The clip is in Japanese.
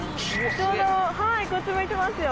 ちょうどこっち向いてますよ